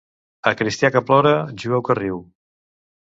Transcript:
A cristià que plora, jueu que riu.